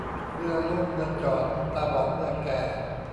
เรือล่มเมื่อจอดตาบอดเมื่อแก่